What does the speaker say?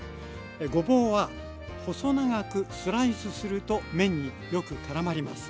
ごぼうは細長くスライスすると麺によくからまります。